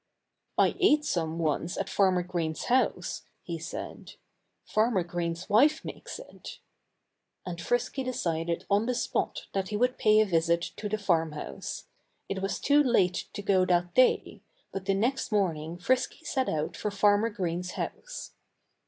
"I ate some once at Farmer Green's house," he said. "Farmer Green's wife makes it." And Frisky decided on the spot that he would pay a visit to the farmhouse. It was too late to go that day. But the next morning Frisky set out for Farmer Green's house.